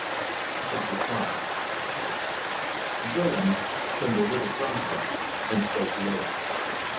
CHAPTER FIVE Willems turned a little from her and spoke lower.